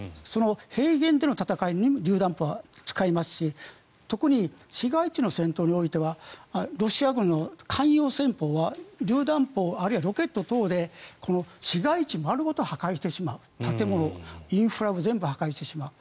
平原での戦いにもりゅう弾砲を使いますし特に市街地の戦闘においてはロシア軍の肝要戦法はりゅう弾砲あるいはロケット等で市街地丸ごと破壊してしまう建物、インフラを全部破壊してしまう。